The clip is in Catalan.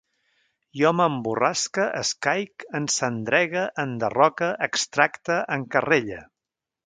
Jo m'emborrasque, escaic, encendregue, enderroque, extracte, encarrelle